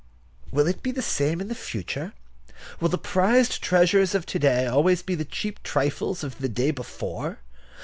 Will it be the same in the future? Will the prized treasures of to day always be the cheap trifles of the day before?